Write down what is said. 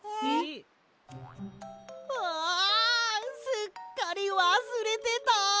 すっかりわすれてた！